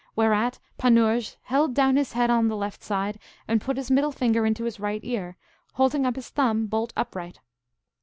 Whereat Panurge held down his head on the left side, and put his middle finger into his right ear, holding up his thumb bolt upright.